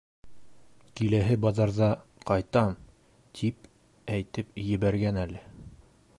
Киләһе баҙарҙа ҡайтам тип әйтеп ебәргән әле.